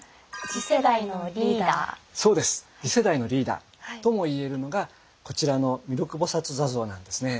次世代のリーダーともいえるのがこちらの弥勒菩坐像なんですね。